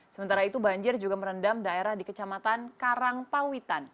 sementara itu banjir juga merendam daerah di kecamatan karangpawitan